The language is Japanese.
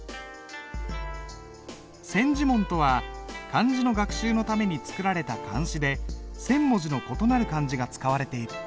千字文とは漢字の学習のために作られた漢詩で千文字の異なる漢字が使われている。